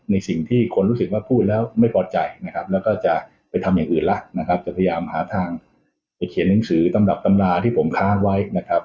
ในสิ่งที่คนรู้สึกว่าพูดแล้วไม่พอใจนะครับแล้วก็จะไปทำอย่างอื่นละนะครับจะพยายามหาทางไปเขียนหนังสือตำรับตำราที่ผมค้างไว้นะครับ